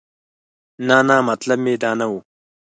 نه نه مطلب مې دا نه و.